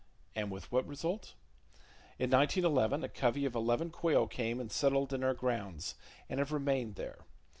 And with what result? In 1911 a covey of eleven quail came and settled in our grounds, and have remained there.